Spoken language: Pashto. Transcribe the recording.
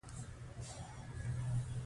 خدمتي موقف هم د مامور یو حالت دی.